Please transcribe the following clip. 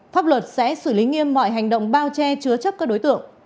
pháp luật sẽ xử lý nghiêm mọi hành động bao che chứa chấp các đối tượng